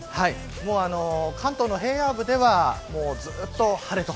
関東の平野部ではずっと晴れ。